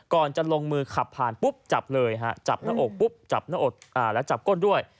ก่อนจะลงมือขับผ่านปุ๊บจับเลยฮะจับหน้าอกปุ๊บจับหน้าอกแล้วจับก้นด้วย